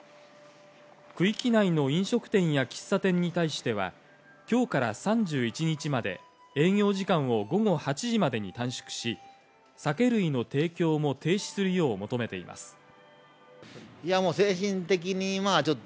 区域内の飲食店や喫茶店に対しては今日から３１日まで営業時間を午後８時までに短縮し、酒類の提供も停止するよう求めています。